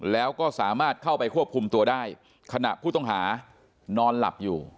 แล้วก็สามารถเข้าไปควบคุมตัวได้ขณะผู้ต้องหานอนหลับอยู่